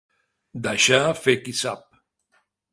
Deixar fer qui sap.